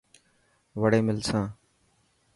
وڙي ملسان.